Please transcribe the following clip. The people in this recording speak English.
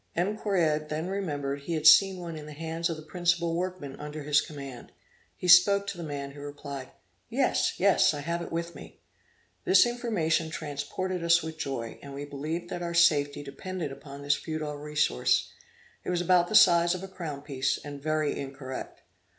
M. Correard then remembered he had seen one in the hands of the principal workmen under his command; he spoke to the man, who replied, 'Yes, yes, I have it with me.' This information transported us with joy, and we believed that our safety depended upon this futile resource; it was about the size of a crown piece, and very incorrect.